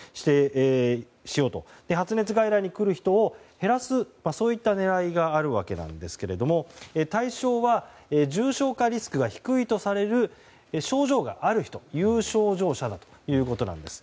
そして発熱外来に来る人を減らすそういった狙いがあるわけなんですが対象は重症化リスクが低いとされる症状がある人有症状者だということです。